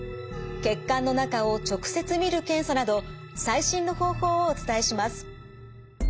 血管の中を直接見る検査など最新の方法をお伝えします。